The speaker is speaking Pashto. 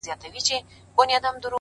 o بيا به يې خپه اشـــــــــــــنا،